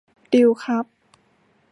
ดีลครับ